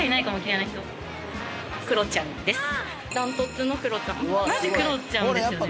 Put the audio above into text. マジクロちゃんですよね。